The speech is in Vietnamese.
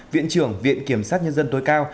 viện trưởng viện kiểm sát nhân dân tối cao